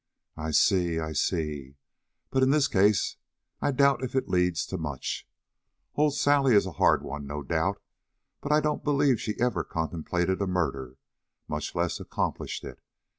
"I see, I see; but, in this case, I doubt if it leads to much. Old Sally is a hard one, no doubt. But I don't believe she ever contemplated a murder, much less accomplished it.